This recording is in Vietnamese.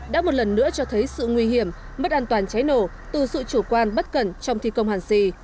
đã một lần nữa cho thấy sự nguy hiểm mất an toàn cháy nổ từ sự chủ quan bất cẩn trong thi công hàn xì